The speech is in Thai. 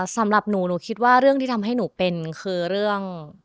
สำหรับหนูหนูคิดว่าเรื่องที่ทำให้หนูเป็นคือเรื่อง